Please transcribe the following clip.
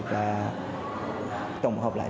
và tổng hợp lại